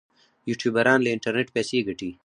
یوټیوبران له انټرنیټ پیسې ګټي